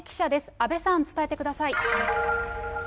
阿部さん、伝えてください。